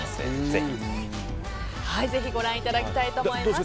ぜひご覧いただきたいと思います。